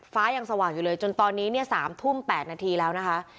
ยังสว่างอยู่เลยจนตอนนี้เนี่ย๓ทุ่ม๘นาทีแล้วนะคะ